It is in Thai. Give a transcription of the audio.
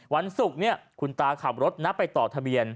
วันศุกร์คุณตาขับรถไปต่อทะเบียน